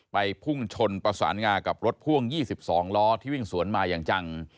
พุ่งชนประสานงากับรถพ่วง๒๒ล้อที่วิ่งสวนมาอย่างจัง